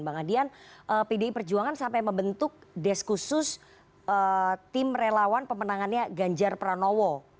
bang adian pdi perjuangan sampai membentuk desk khusus tim relawan pemenangannya ganjar pranowo